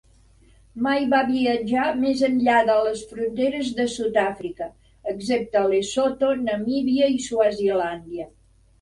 Mai va viatjar més enllà de les fronteres de Sudàfrica, excepte Lesotho, Namibia i Swazilàndia.